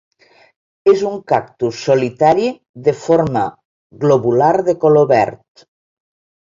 És un cactus solitari de forma globular de color verd.